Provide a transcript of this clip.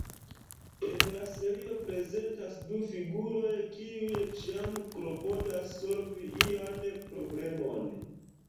En la serio prezentas du figuroj, kiuj ĉiam klopodas solvi ian problemon.